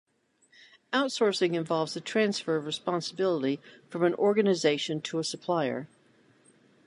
Outsourcing involves the transfer of responsibility from an organization to a supplier.